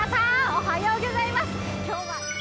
おはようギョざいます！